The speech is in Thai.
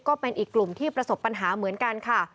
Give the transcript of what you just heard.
ก็เป็นอีกกลุ่มที่ประสบปัญหาเหมือนกันค่ะ